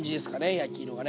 焼き色がね。